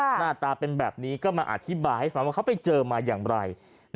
หน้าตาเป็นแบบนี้ก็มาอธิบายให้ฟังว่าเขาไปเจอมาอย่างไร